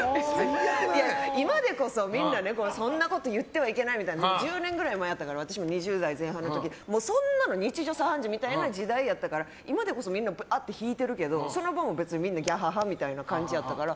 今でこそみんなそんなこと言ってはいけないだけど１０年前やったから私も２０代前半の時そんなの日常茶飯事みたいな時代やったから今でこそみんな引いてるけどその分、みんなギャハハみたいな感じやったから。